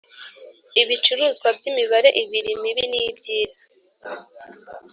ibicuruzwa byimibare ibiri mibi nibyiza.